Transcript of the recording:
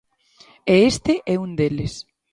E este é un deles.